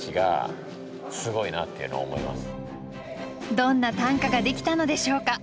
どんな短歌ができたのでしょうか？